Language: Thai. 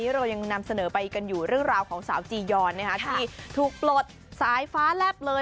เรื่องราวของสาวจียรท์ที่ถูกปลดสายฟ้าแลบเลย